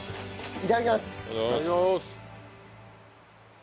いただきます。